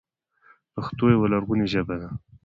پښتو يوه لرغونې ژبه ده.